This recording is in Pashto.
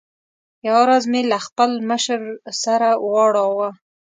یوه ورځ مې له بل مشر سره واړاوه.